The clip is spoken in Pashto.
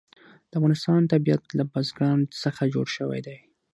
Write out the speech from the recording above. د افغانستان طبیعت له بزګان څخه جوړ شوی دی.